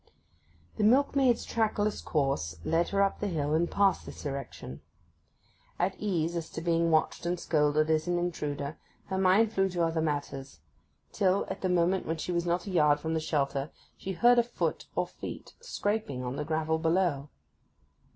The milkmaid's trackless course led her up the hill and past this erection. At ease as to being watched and scolded as an intruder, her mind flew to other matters; till, at the moment when she was not a yard from the shelter, she heard a foot or feet scraping on the gravel behind it.